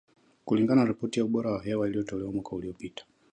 kulingana na ripoti ya ubora wa hewa iliyotolewa mwaka uliopita